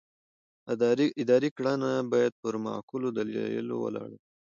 اداري کړنه باید پر معقولو دلیلونو ولاړه وي.